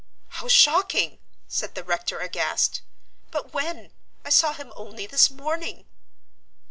"How shocking!" said the rector, aghast. "But when? I saw him only this morning."